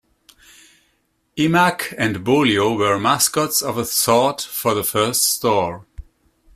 Emack and Bolio were mascots of a sort for the first store.